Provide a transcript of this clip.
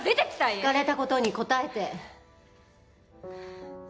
聞かれたことに答えて。